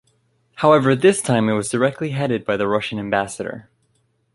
However, this time it was directly headed by the Russian ambassador.